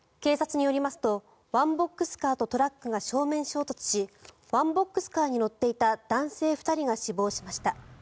警察によりますとワンボックスカーとトラックが正面衝突しワンボックスカーに乗っていた男性２人が死亡しました。